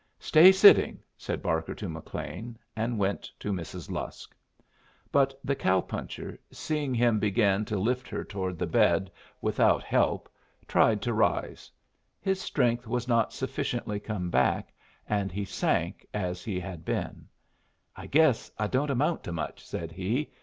"Stay sitting," said Barker to McLean, and went to Mrs. Lusk. But the cow puncher, seeing him begin to lift her toward the bed without help, tried to rise. His strength was not sufficiently come back, and he sank as he had been. "I guess I don't amount to much," said he.